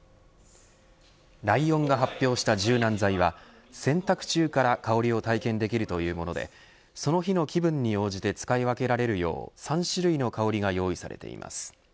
ライオンが発表した柔軟剤は洗濯中から香りを体験できるというものでその日の気分に応じて使い分けられるよう３種類の香りが用意されています。